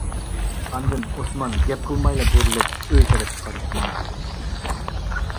ئاندىن ئوسمان گەپ قىلمايلا بۇرۇلۇپ ئۆيى تەرەپكە قاراپ ماڭدى.